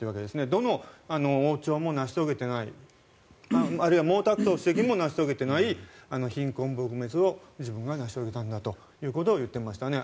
どの王朝も成し遂げてないあるいは毛沢東主席も成し遂げていない貧困撲滅を自分が成し遂げたんだということを言っていましたね。